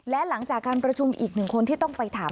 และหลังจากการประชุมอีกหนึ่งคนที่ต้องไปถาม